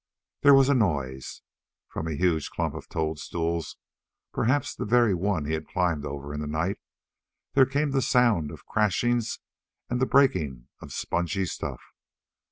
There was a noise. From a huge clump of toadstools perhaps the very one he had climbed over in the night there came the sound of crashings and the breaking of the spongy stuff.